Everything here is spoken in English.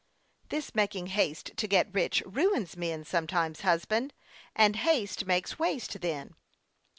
" This making haste to get rich ruins men some times, husband ; and haste makes waste then."